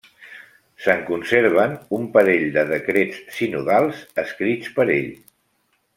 Se'n conserven un parell de decrets sinodals escrits per ell.